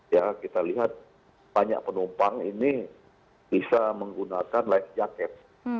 ya kita lihat banyak penumpang ini bisa menggunakan life jacket